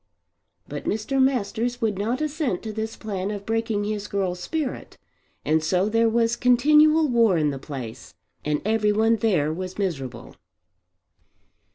But Mr. Masters would not assent to this plan of breaking his girl's spirit, and so there was continual war in the place and every one there was miserable.